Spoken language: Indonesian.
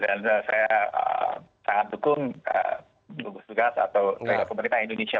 dan saya sangat dukung bungkus dugas atau pemerintah indonesia